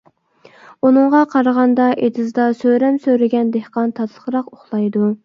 ئۇنىڭغا قارىغاندا ئېتىزدا سۆرەم سۆرىگەن دېھقان تاتلىقراق ئۇخلايدۇ.